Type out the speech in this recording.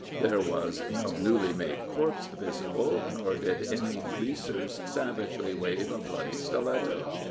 There was no newly made corpse visible, nor did any Greasers savagely wave a bloody stiletto.